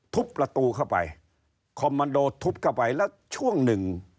ทุบประตูเข้าไปคอมมันโดทุบเข้าไปแล้วช่วงหนึ่ง